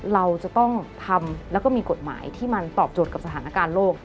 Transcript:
เราจะต้องทำแล้วก็มีกฎหมายที่มันตอบโจทย์กับสถานการณ์โลก